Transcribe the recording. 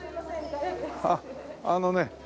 あっあのね。